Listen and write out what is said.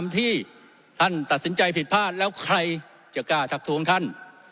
ที่ท่านตัดสินใจผิดพลาดแล้วใครจะกล้าทักทวงท่าน